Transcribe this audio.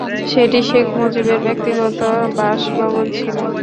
সেটি শেখ মুজিবের ব্যক্তিগত বাসভবন ছিল।